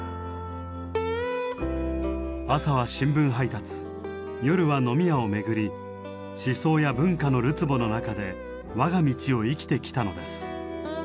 朝は新聞配達夜は飲み屋を巡り思想や文化のるつぼの中で我が道を生きてきたのです。